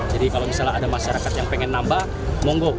jadi kalau misalnya ada masyarakat yang pengen nambah